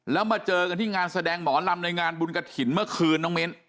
แล้วมาเจอกันที่งานแสดงหมอลำในงานบุญกระถิ่นเมื่อคืนน้องมิ้น